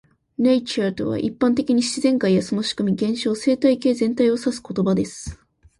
"Nature" とは、一般的に自然界やその仕組み、現象、生態系全体を指す言葉です。